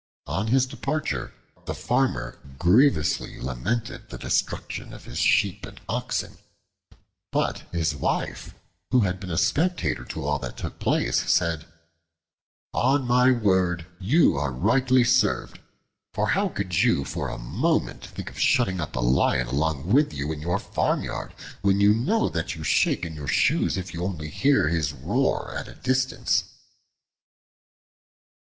On his departure the Farmer grievously lamented the destruction of his sheep and oxen, but his wife, who had been a spectator to all that took place, said, "On my word, you are rightly served, for how could you for a moment think of shutting up a Lion along with you in your farmyard when you know that you shake in your shoes if you only hear his roar at a distance?"